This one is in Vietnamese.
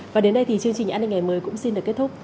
và đến đây thì chương trình an ninh ngày mới cũng xin được kết thúc